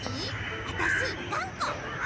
あたしがんこ。